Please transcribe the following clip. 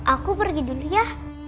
aku pergi dulu ya